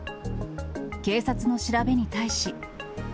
警察の調べに対し。